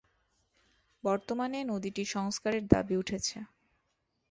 বর্তমানে নদীটি সংস্কারের দাবি উঠেছে।